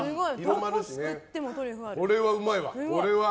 これはうまいわ。